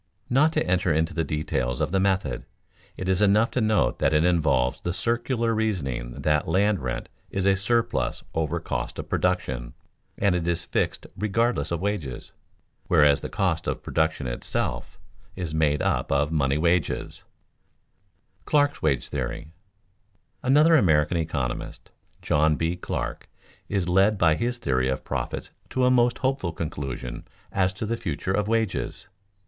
Not to enter into the details of the method, it is enough to note that it involves the circular reasoning that land rent is a surplus over cost of production, and is fixed regardless of wages, whereas the cost of production itself is made up of money wages. [Sidenote: Clark's wage theory] Another American economist, John B. Clark, is led by his theory of profits to a most hopeful conclusion as to the future of wages.